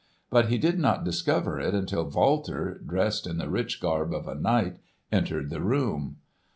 But he did not discover it until Walter, dressed in the rich garb of a knight, entered the room.